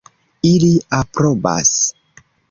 Ili aprobas.